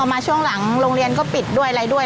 พอมาช่วงหลังโรงเรียนก็ปิดด้วยซักอย่าง